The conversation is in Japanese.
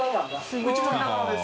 すごい。